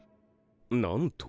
なんと？